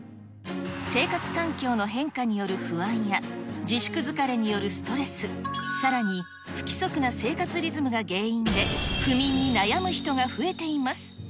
生活環境の変化による不安や、自粛疲れによるストレス、さらに不規則な生活リズムが原因で、不眠に悩む人が増えています。